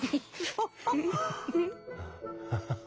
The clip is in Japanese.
ハハハハ。